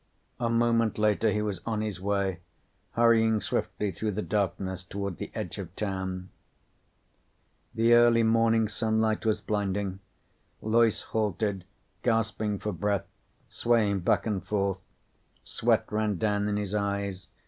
A moment later he was on his way, hurrying swiftly through the darkness toward the edge of town. The early morning sunlight was blinding. Loyce halted, gasping for breath, swaying back and forth. Sweat ran down in his eyes.